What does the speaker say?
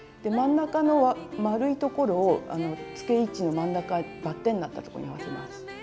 真ん中の円いところをつけ位置の真ん中バッテンになったところに合わせます。